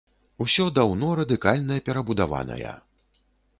Усё даўно радыкальна перабудаваная.